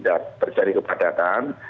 tidak terjadi kepadatan